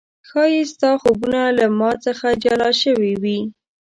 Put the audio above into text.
ښايي ستا خوبونه له ما څخه جلا شوي و